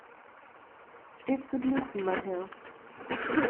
Stets zu Diensten, mein Herr!